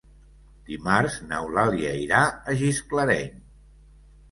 Dimarts n'Eulàlia irà a Gisclareny.